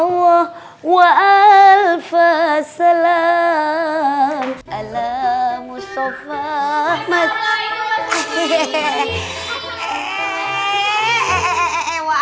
kok serem tenang sih rumahnya